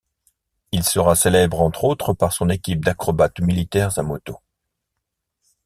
Il sera célèbre entre autres par son équipe d’acrobates militaires à moto.